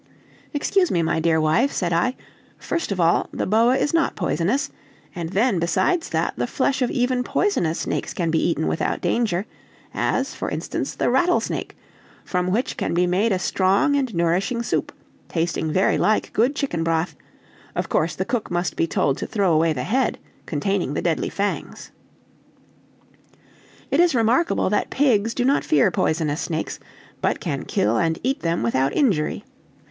"Excuse me, my dear wife," said I. "First of all, the boa is not poisonous; and then, besides that, the flesh of even poisonous snakes can be eaten without danger; as, for instance, the rattlesnake, from which can be made a strong and nourishing soup, tasting very like good chicken broth of course, the cook must be told to throw away the head, containing the deadly fangs. "It is remarkable that pigs do not fear poisonous snakes, but can kill and eat them without injury.